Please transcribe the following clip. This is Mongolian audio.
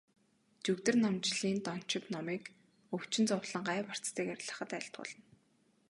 Жүгдэрнамжилын дончид номыг өвчин зовлон, гай барцдыг арилгахад айлтгуулна.